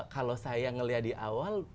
kalau saya melihat di awal